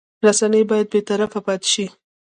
رسنۍ باید بېطرفه پاتې شي.